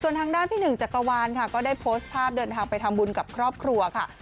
ทางด้านพี่หนึ่งจักรวาลค่ะก็ได้โพสต์ภาพเดินทางไปทำบุญกับครอบครัวค่ะ